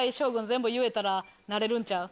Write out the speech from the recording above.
全部言えたらなれるんちゃう？